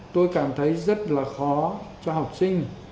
tôi cảm thấy rất là khó cho học sinh